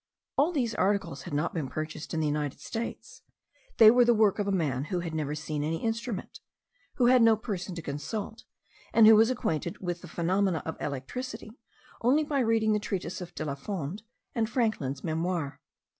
All these articles had not been purchased in the United States; they were the work of a man who had never seen any instrument, who had no person to consult, and who was acquainted with the phenomena of electricity only by reading the treatise of De Lafond, and Franklin's Memoirs.